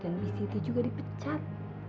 dan bisiti juga dipecat